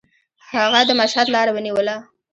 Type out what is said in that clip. هغه د مشهد لاره ونیوله.